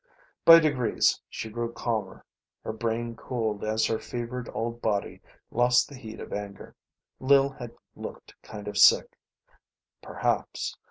By degrees she grew calmer. Her brain cooled as her fevered old body lost the heat of anger. Lil had looked kind of sick. Perhaps